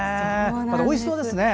おいしそうですね。